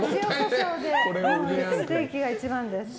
ステーキが一番です。